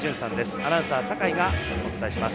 アナウンサー酒井がお伝えします。